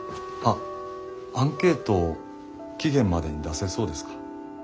あっアンケート期限までに出せそうですか？